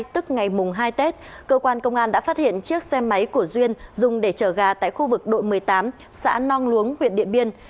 tức ngày hai tết cơ quan công an đã phát hiện chiếc xe máy của duyên dùng để chở gà tại khu vực đội một mươi tám xã nong luống huyện điện biên